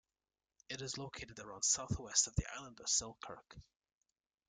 It is located around south-west of the town of Selkirk.